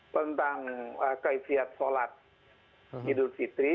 tentang kaisyat sholat idul fitri